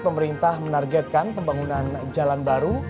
pemerintah menargetkan pembangunan jalan baru